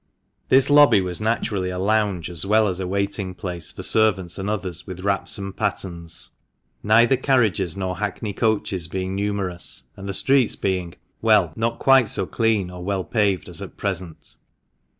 This lobby was naturally a lounge, as well as a waiting place for servants and others with wraps and pattens, neither carriages nor hackney coaches being numerous, and the streets being — well, not quite so clean or well paved as at present.